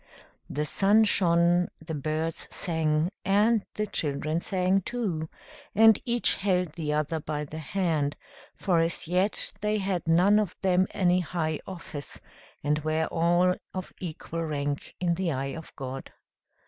The sun shone, the birds sang, and the children sang too, and each held the other by the hand; for as yet they had none of them any high office, and were all of equal rank in the eye of God.